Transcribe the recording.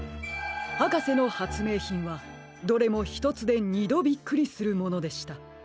はかせのはつめいひんはどれもひとつでにどびっくりするものでした。